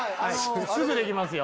すぐできますよ。